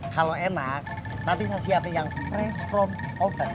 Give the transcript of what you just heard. kalo enak nanti saya siapin yang fresh from oven